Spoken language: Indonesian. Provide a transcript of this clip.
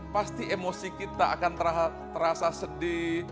pasti emosi kita akan terasa sedih